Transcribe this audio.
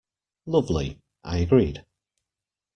"Lovely," I agreed.